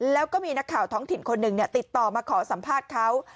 แล้วก็มีนักข่าวท้องถิ่นคนหนึ่งติดต่อมาขอสัมภาษณ์เขา